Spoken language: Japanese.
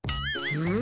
うん？